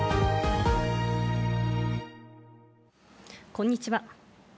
こんにちは。